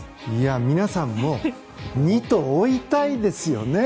皆さんも二兎追いたいですよね。